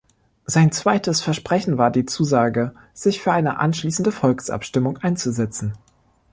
Sein zweites Versprechen war die Zusage, sich für eine anschließende Volksabstimmung einzusetzen.